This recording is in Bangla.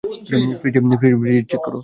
ফ্রিজে, চেক করো।